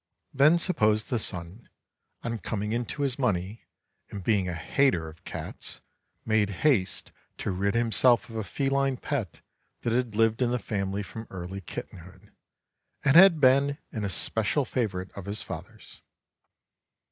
Then suppose the son, on coming into his money, and being a hater of cats, made haste to rid himself of a feline pet that had lived in the family from early kittenhood, and had been an especial favorite of his father's.